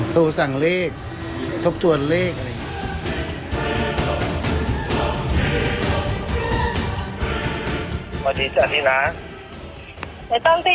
โทรสั่งเลขทบทวนเลขอะไรอย่างนี้